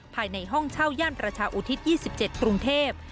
ภายในห้องเช่าย่านประชาอุทิศ๒๗กรุงเทพ